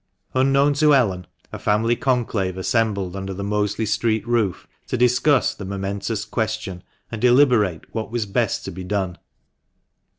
Unknown to Ellen, a family conclave assembled under the Mosley Street roof, to discuss the momentous question, and deliberate what was best to be done.